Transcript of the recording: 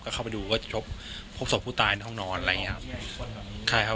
ก็เข้าไปดูก็จะชบพบศพผู้ตายในห้องนอนอะไรเงี้ยครับ